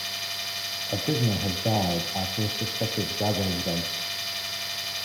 A prisoner has died after a suspected drug overdose.